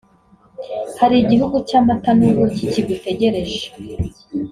hari igihugu cy'amata n'ubuki kigutegereje